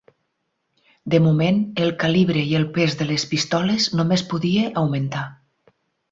De moment, el calibre i el pes de les pistoles només podia augmentar.